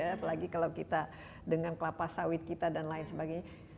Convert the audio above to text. apalagi kalau kita dengan kelapa sawit kita dan lain sebagainya